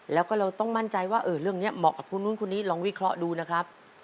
แล้วก็เราต้องมั่นใจว่าเรื่องนี้เหมาะกับคนนู้นคนนี้ลองวิเคราะห์ดูนะครับ